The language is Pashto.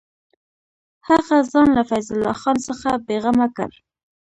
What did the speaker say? هغه ځان له فیض الله خان څخه بېغمه کړ.